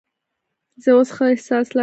زه اوس ښه احساس لرم.